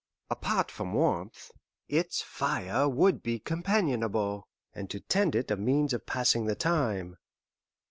Apart from warmth, its fire would be companionable, and to tend it a means of passing the time.